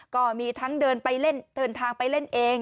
ก็มีทั้งเดินทางไปเล่นเอง